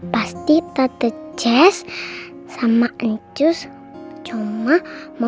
pasti tante jas sama anjus cuma mau ngibur aku